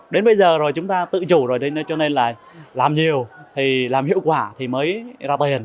đến bây giờ rồi chúng ta tự chủ rồi cho nên là làm nhiều thì làm hiệu quả thì mới ra tay